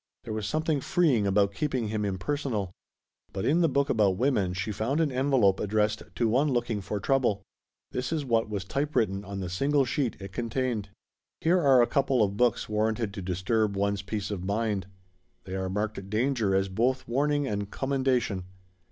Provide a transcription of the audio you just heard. There was something freeing about keeping him impersonal. But in the book about women she found an envelope addressed: "To one looking for trouble." This was what was type written on the single sheet it contained: "Here are a couple of books warranted to disturb one's peace of mind. They are marked danger as both warning and commendation.